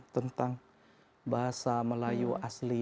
tentang bahasa melayu asli